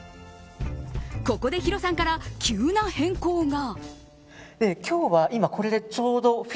ここでヒロさんから急な変更が。